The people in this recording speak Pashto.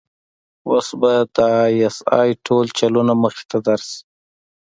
اوس به د آى اس آى ټول چلونه مخې ته درشي.